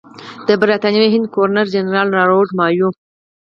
د برټانوي هند ګورنر جنرال لارډ مایو.